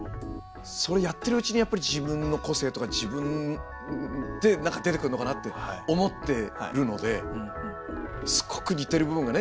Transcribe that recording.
それやってるうちにやっぱり自分の個性とか自分って何か出てくるのかなって思ってるのですごく似てる部分がね